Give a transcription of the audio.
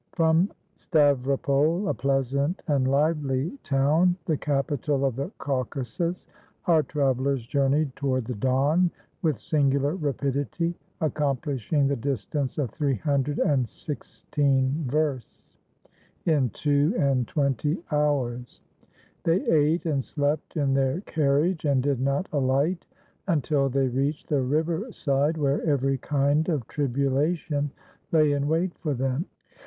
From Stavropol, a pleasant and lively town, the capital of the Caucasus, our travellers journeyed toward the Don with singular rapidity, accomplishing the distance of 316 versts, in two and twenty hours. They ate and slept in their carriage, and did not alight until they reached the river side, where every kind of tribulation lay in wait for them.